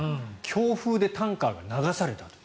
強風でタンカーが流されたと。